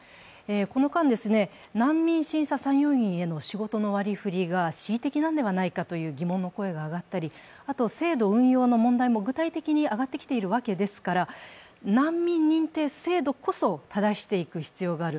この間、難民審査参与員への仕事の割り振りが恣意的なのではないかという疑問の声が上がったり、あと制度運用の問題も具体的に上がってきているわけですから難民認定制度こそただしていく必要がある。